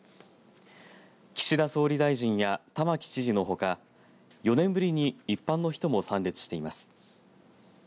岸田総理大臣や玉城知事のほか４年ぶりに一般の人も参列しています。